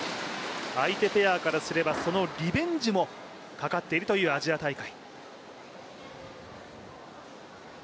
相手ペアからすれば、そのリベンジもかかっているアジア大会。